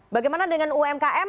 bagaimana dengan umkm